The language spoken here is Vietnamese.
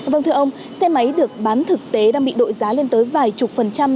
vâng thưa ông xe máy được bán thực tế đang bị đội giá lên tới vài chục phần trăm